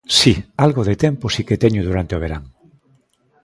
Si, algo de tempo si que teño durante o verán.